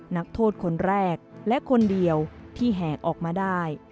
นักโทษคนแรกและคนเดียวที่แหกออกมาได้